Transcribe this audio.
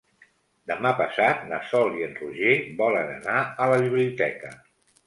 Demà passat na Sol i en Roger volen anar a la biblioteca.